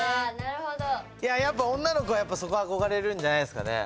やっぱ女の子はそこ憧れるんじゃないですかね。